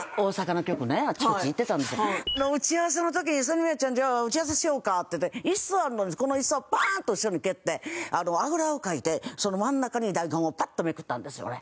だからその時は打ち合わせの時に「千里・万里ちゃんじゃあ打ち合わせしようか」って言って椅子あるのにこの椅子をバーンと後ろに蹴ってあぐらをかいてその真ん中に台本をパッとめくったんですよね。